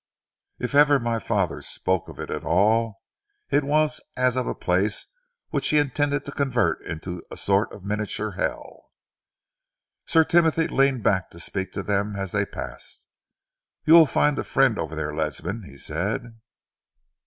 If ever my father spoke of it at all, it was as of a place which he intended to convert into a sort of miniature Hell." Sir Timothy leaned back to speak to them as they passed. "You will find a friend over there, Ledsam," he said.